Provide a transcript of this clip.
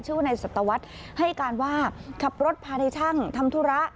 ชื่อว่าแนะในศตวรรษให้การว่าขับรถพาได้ช่างทำธุระ